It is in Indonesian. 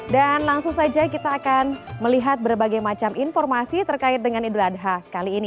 dan langsung saja kita akan melihat berbagai macam informasi terkait dengan idul adha kali ini